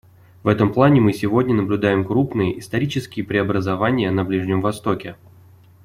В этом плане мы сегодня наблюдаем крупные, исторические преобразования на Ближнем Востоке.